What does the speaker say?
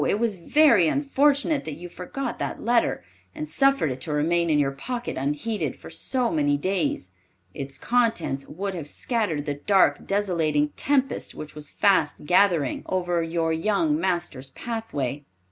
It was very unfortunate that you forgot that letter, and suffered it to remain in your pocket unheeded for so many days. Its contents would have scattered the dark, desolating tempest which was fast gathering over your young master's pathway.